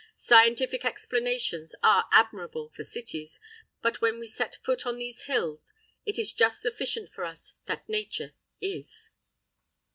Scientific explanations are admirable for cities, but when we set foot on these hills, it is just sufficient for us that Nature "is."